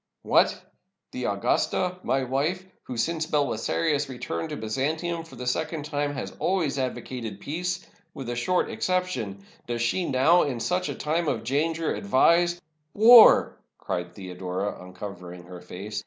"What! the Augusta, my wife, who, since Belisarius returned to Byzantium for the second time, has always 560 PEACE WITH THE GOTHS OR WAR? advocated peace — with a short exception — does she now, in such a time of danger, advise —" "War!" cried Theodora, uncovering her face.